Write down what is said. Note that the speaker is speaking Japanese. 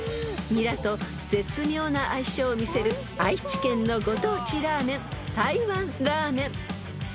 ［ニラと絶妙な相性を見せる愛知県のご当地ラーメン台湾ラーメン］